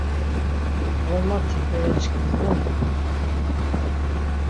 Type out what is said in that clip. Ğormot̆i bere çkimi mu ikum!